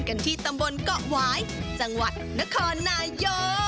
กันที่ตำบลเกาะหวายจังหวัดนครนายก